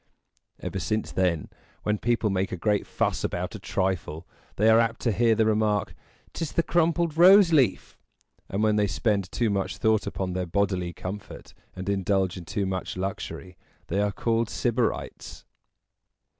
Ever since then, when people make a great fuss about a trifle, they are apt to hear the remark, "'Tis the crumpled rose leaf!" and when they spend too much thought upon their bodily comfort, and indulge in too much luxury, they are called Sybarites.